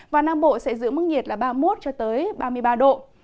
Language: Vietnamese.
và nam bộ sẽ giữ mức nhiệt ba mươi một ba mươi ba độ